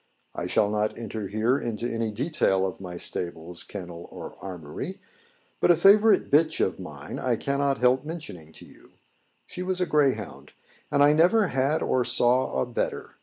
I shall not enter here into any detail of my stables, kennel, or armoury; but a favourite bitch of mine I cannot help mentioning to you; she was a greyhound, and I never had or saw a better.